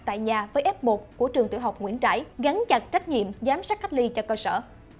tại nhà với f một của trường tiểu học nguyễn trãi gắn chặt trách nhiệm giám sát cách ly cho cơ sở